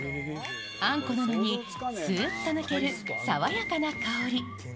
あんこなのに、すーっと抜けるさわやかな香り。